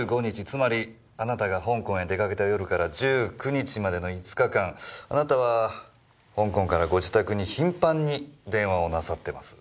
つまりあなたが香港へ出かけた夜から１９日までの５日間あなたは香港からご自宅に頻繁に電話をなさってます。